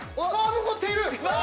残っている！